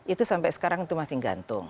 itu sampai sekarang itu masih gantung